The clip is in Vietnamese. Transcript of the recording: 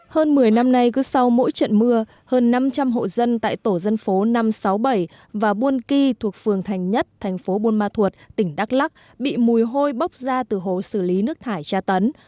hơn một mươi năm nay cứ sau mỗi trận mưa hơn năm trăm linh hộ dân tại tổ dân phố năm trăm sáu mươi bảy và buôn kỳ thuộc phường thành nhất thành phố buôn ma thuột tỉnh đắk lắc bị mùi hôi bốc ra từ hồ xử lý nước thải tra tấn